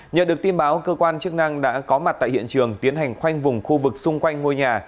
nhận được tin báo cơ quan chức năng đã có mặt tại hiện trường tiến hành khoanh vùng khu vực xung quanh ngôi nhà